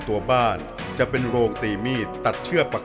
เหมือนเล็บแต่ของห้องเหมือนเล็บตลอดเวลา